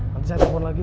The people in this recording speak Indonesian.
makasih saya tumpul lagi